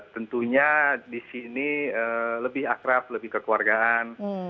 tentunya di sini lebih akrab lebih kekeluargaan